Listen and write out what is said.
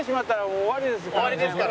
終わりですから。